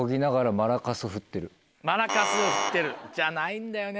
マラカス振ってるじゃないんだよね。